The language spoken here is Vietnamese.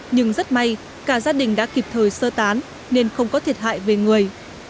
nhưng rất may cả gia đình đã kịp thời sơ tán nên không có thiệt hại về người